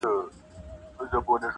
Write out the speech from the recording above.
• لکه د بزم د پانوس په شپه کي -